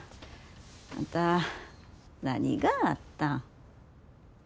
あんた何があったん？